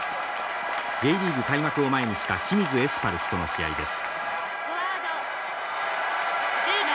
Ｊリーグ開幕を前にした清水エスパルスとの試合です。